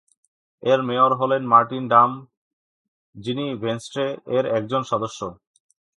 এর মেয়র হলেন Martin Dam, যিনি ভেন্সট্রে-এর একজন সদস্য।